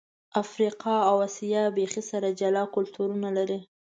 افریقا او آسیا بیخي سره جلا کلتورونه لري.